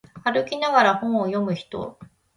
歩きながら本を読む人